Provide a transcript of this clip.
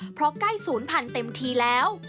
เพราะใกล้ศูนย์พันธุ์เต็มทีแล้ว